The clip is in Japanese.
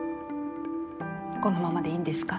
このままでいいんですか？